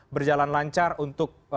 berjalan lancar untuk